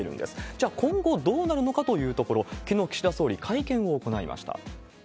じゃあ、今後どうなるのかというところ、きのう、岸田総理、会見を行いました。